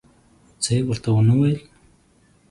څه ورته ونه ویل.